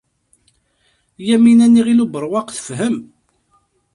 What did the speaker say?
Yamina n Yiɣil Ubeṛwaq tefhem.